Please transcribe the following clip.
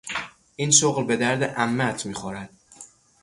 این شغل به درد عمهات میخورد!